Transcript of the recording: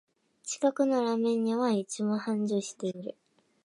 近くのラーメン屋はいつも繁盛してる